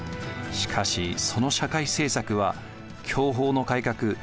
しかしその社会政策は享保の改革